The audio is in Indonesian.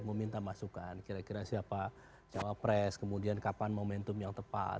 meminta masukan kira kira siapa cawapres kemudian kapan momentum yang tepat